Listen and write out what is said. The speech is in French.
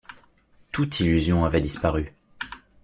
Toute illusion avait disparu.